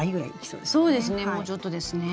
そうですねもうちょっとですね。